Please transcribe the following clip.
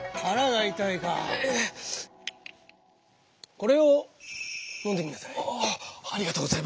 これをのんでみなさい。